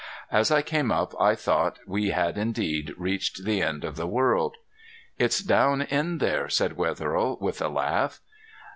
As I came up I thought we had indeed reached the end of the world. "It's down in there," said Wetherill, with a laugh.